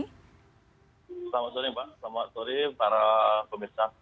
selamat sore pak selamat sore para pemirsa